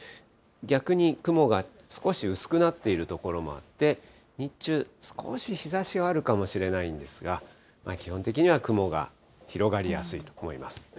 逆に雲が少し薄くなっている所もあって、日中、少し日ざしはあるかもしれないんですが、基本的には雲が広がりやすいと思います。